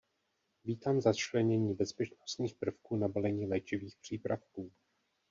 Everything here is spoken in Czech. Vítám začlenění bezpečnostních prvků na balení léčivých přípravků.